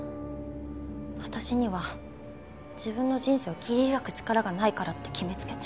私には自分の人生を切り開く力がないからって決めつけて。